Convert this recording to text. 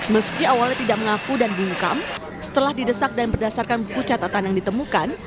meski awalnya tidak mengaku dan bungkam setelah didesak dan berdasarkan buku catatan yang ditemukan